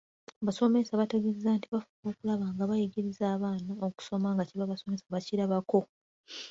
Abasomesa baategeeza nti bafuba okulaba nga bayigiriza abaana okusoma nga kye basoma bakirabako.